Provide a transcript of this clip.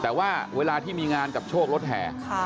แต่ว่าเวลาที่มีงานกับโชครถแห่